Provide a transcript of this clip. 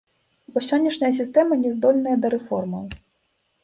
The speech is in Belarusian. Бо сённяшняя сістэма няздольная да рэформаў.